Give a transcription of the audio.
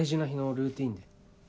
ルーティン？